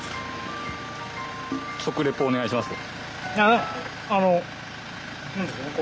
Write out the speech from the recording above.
食レポお願いします。